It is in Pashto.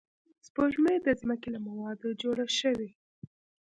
سپوږمۍ د ځمکې له موادو جوړه شوې